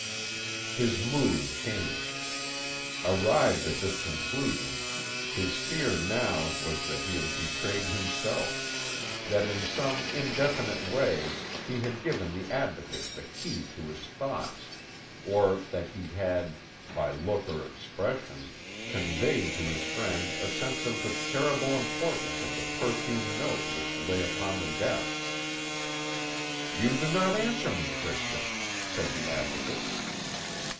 His mood changed. Arrived at this conclusion, his fear now was that he had betrayed himself that in some indefinite way he had given the Advocate the key to his thoughts, or that he had, by look or expression, conveyed to his friend a sense of the terrible importance of the perfumed note which lay upon the desk. "You do not answer me, Christian," said the Advocate.